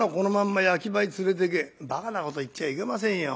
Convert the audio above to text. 「ばかなこと言っちゃいけませんよ。